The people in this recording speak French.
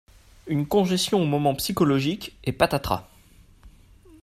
Une congestion au moment psychologique, et patatras.